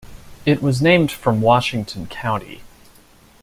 It was named from Washington County.